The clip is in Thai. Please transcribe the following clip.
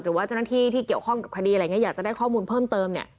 หรือว่าเจ้านักที่ที่เกี่ยวข้องกับคดีอยากจะได้ข้อมูลเพิ่มเติม